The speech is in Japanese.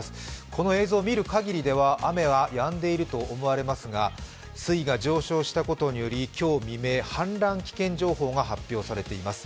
この映像を見る限りでは、雨はやんでいると思われますが、水位が上昇したことにより今日未明、氾濫危険情報が発表されています。